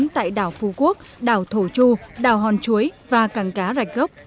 tại đảo phú quốc đảo thổ chu đảo hòn chuối và cảng cá rạch gốc